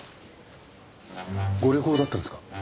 ご旅行だったんですか？